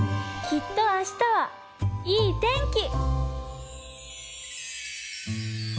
「きっと明日はいい天気」